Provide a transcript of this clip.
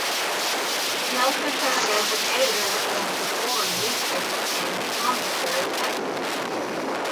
He also served as an editor of "The Forward" newspaper and "Commentary" magazine.